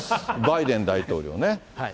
バイデン大統領ね。